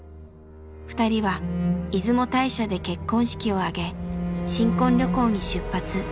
２人は出雲大社で結婚式を挙げ新婚旅行に出発。